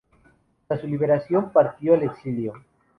Tras su liberación, partió al exilio.